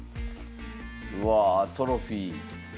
うわあトロフィー。